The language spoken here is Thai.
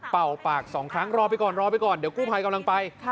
เป่าปาก๒ครั้งรอไปก่อนเดี๋ยวกูภัยกำลังไป